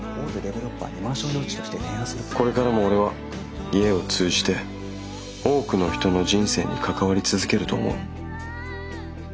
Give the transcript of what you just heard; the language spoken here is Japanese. これからも俺は家を通じて多くの人の人生に関わり続けると思う。